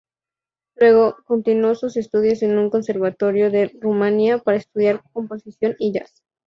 Luego, continuó sus estudios en un conservatorio de Rumanía para estudiar composición y jazz.